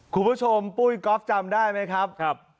คุณผู้ชมปุ้ยก๊อฟจำได้ไหมครับครับ